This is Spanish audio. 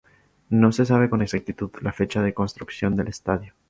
No se sabe con exactitud la fecha de construcción del estadio.